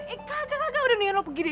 eh kagak kagak udah mendingan lo pergi deh